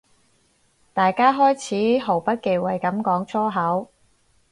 大家開始毫不忌諱噉講粗口